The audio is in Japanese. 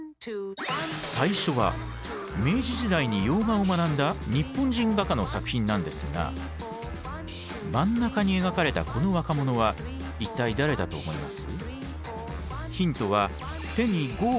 最初は明治時代に洋画を学んだ日本人画家の作品なんですが真ん中に描かれたこの若者は一体誰だと思います？